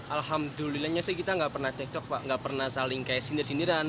alhamdulillahnya sih kita nggak pernah cekcok pak nggak pernah saling kayak sindir sindiran